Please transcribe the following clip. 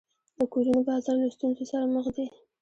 د کورونو بازار له ستونزو سره مخ دی.